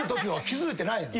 気付いてないの。